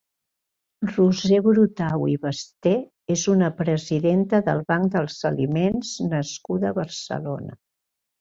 Roser Brutau i Basté és una presidenta del Banc dels Aliments nascuda a Barcelona.